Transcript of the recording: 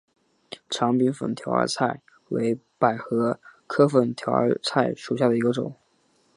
长柄粉条儿菜为百合科粉条儿菜属下的一个种。